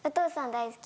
大好き？